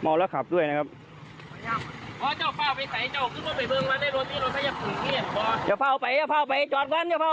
เมาแล้วขับด้วยนะครับ